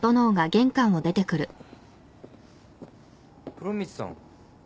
・風呂光さん。